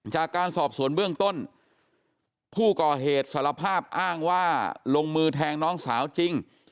จากการสอบสวนเบื้องต้นผู้ก่อเหตุสารภาพอ้างว่าลงมือแทงน้องสาวจริง